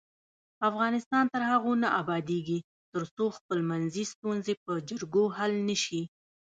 افغانستان تر هغو نه ابادیږي، ترڅو خپلمنځي ستونزې په جرګو حل نشي.